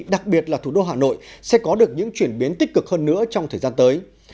đặc biệt là thủ đô hà nội sẽ có được những chuyển biến tích cực hơn nữa trong thời gian tới